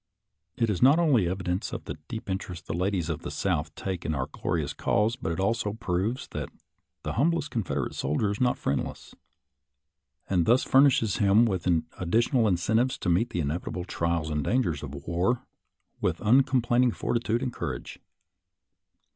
It is not only evidence of the deep interest the ladies of the South take in our glorious cause, but it also proves that the humblest Confederate soldier is not friendless, and thus furnishes him with additional incen tives to meet the inevitable trials and dangers of war with uncomplaining fortitude and cour age.